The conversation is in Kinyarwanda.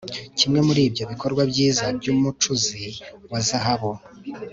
Kimwe muri ibyo bikorwa byiza byumucuzi wa zahabu